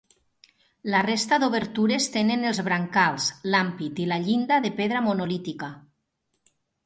La resta d’obertures tenen els brancals, l’ampit i la llinda de pedra monolítica.